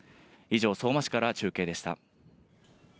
以上、相馬市から中継でした。